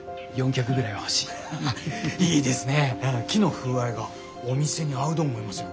木の風合いがお店に合うど思いますよ。